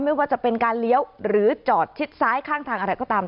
ไม่ว่าจะเป็นการเลี้ยวหรือจอดชิดซ้ายข้างทางอะไรก็ตาม